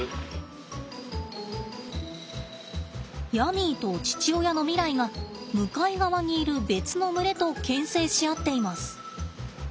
ヤミーと父親のミライが向かい側にいる別の群れとけん制し合っています。